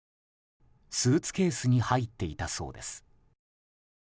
スーツケースに入っていたそうです。